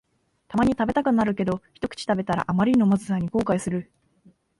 たまに食べたくなるけど、ひとくち食べたらあまりのまずさに後悔する